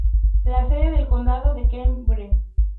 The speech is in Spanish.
La sede del condado es Kemmerer.